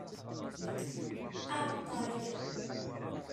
Aɛeṭṭay!